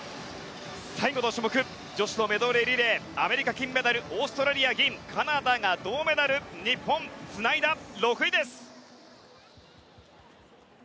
最後の種目女子のメドレーリレーアメリカ、金メダルオーストラリア、銀カナダが銅メダル日本はつないだ、６位です。